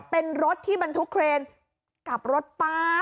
เป็นรถที่บรรทุกเครนกับรถป๊าบ